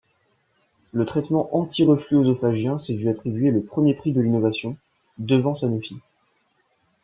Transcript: Le traitement anti-reflux œsophagiens s’est vu attribuer le premier prix de l’innovation, devant Sanofi.